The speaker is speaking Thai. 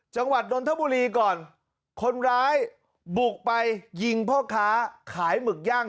จังหวัดนทบุรีก่อนคนร้ายบุกไปยิงพ่อค้าขายหมึกย่าง